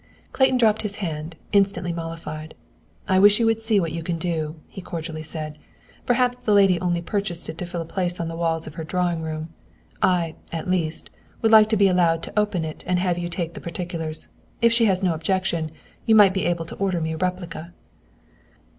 Clayton dropped his hand, instantly mollified. "I wish you would see what you can do," he cordially said. "Perhaps the lady only purchased it to fill a place on the walls of her drawing room. I, at least, would like to be allowed to open it and have you take the particulars. If she has no objection, you might be able to order me a replica."